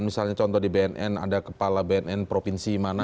misalnya contoh di bnn ada kepala bnn provinsi mana